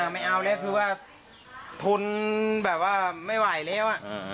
ไม่เอาแล้วคือว่าทนแบบว่าไม่ไหวแล้ว